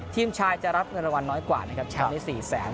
ทีมชายจะรับเงินรางวัลน้อยกว่านะครับแชมป์นี้๔แสน